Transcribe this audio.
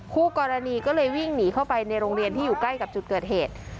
คู่กรณีก็เลยวิ่งหนีเข้าไปในโรงเรียนที่อยู่ใกล้กับจุดเกิดเหตุ